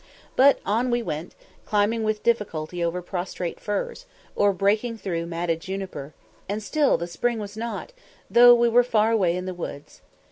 But on we went, climbing with difficulty over prostrate firs, or breaking through matted juniper, and still the spring was not, though we were "far away in the woods."